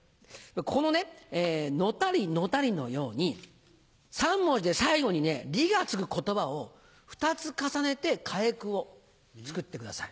この「のたりのたり」のように３文字で最後に「り」が付く言葉を２つ重ねて替え句を作ってください。